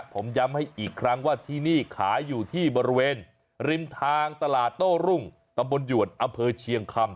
ผมย้ำให้อีกครั้งว่าที่นี่ขายอยู่ที่บริเวณริมทางตลาดโต้รุ่งตำบลหยวนอำเภอเชียงคำ